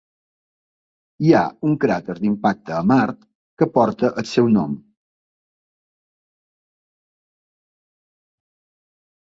Hi ha un cràter d’impacte a Mart que porta el seu nom.